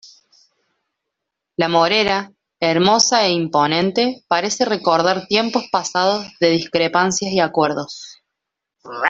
La morera, hermosa e imponente, parece recordar tiempos pasados de discrepancias y acuerdos.